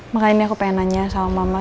makanya ini aku pengen nanya sama mama sama sal